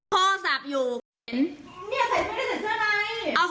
พ่อสับอยู่